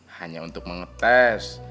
hanya untuk mengetes